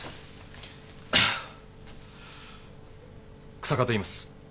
日下といいます。